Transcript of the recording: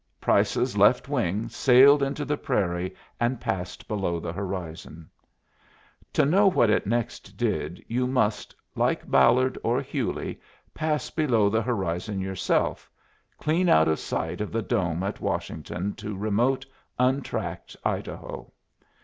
Price's Left Wing sailed into the prairie and passed below the horizon. To know what it next did you must, like Ballard or Hewley, pass below the horizon yourself, clean out of sight of the dome at Washington to remote, untracked Idaho.